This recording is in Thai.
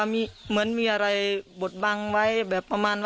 เขาทักว่ายังไงบ้าง